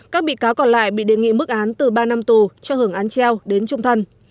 các bị cáo còn lại bị đề nghị mức án từ ba năm tù cho hưởng án treo đến trung thân